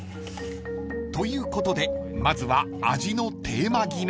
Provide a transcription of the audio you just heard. ［ということでまずは味のテーマ決め］